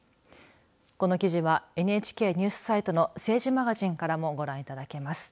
この記事はＮＨＫニュースサイトの政治マガジンからもご覧いただけます。